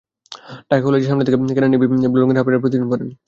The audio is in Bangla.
ঢাকা কলেজের সামনে থেকে কেনা নেভি ব্লু রঙের হাফপ্যান্টটাই প্রতিদিন পরেন।